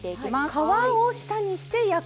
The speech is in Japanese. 皮を下にして焼く。